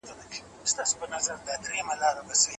ماشومان د روغتیا په اړه څه زده کوي؟